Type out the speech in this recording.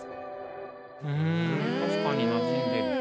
うん確かになじんでる。